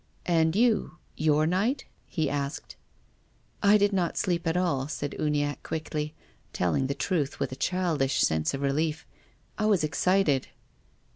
"And you — your night?" he asked. " I did not sleep at all," said Uniacke quickly, telling the truth with a childish sense of relief, " I was excited."